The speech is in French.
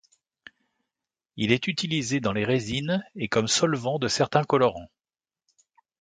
Il est utilisé dans les résines et comme solvant de certains colorants.